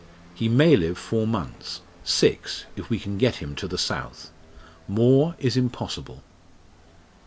He may live four months six, if we can get him to the South. More is impossible."